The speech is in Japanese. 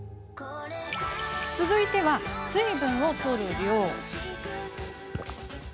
続いては、水分をとる量。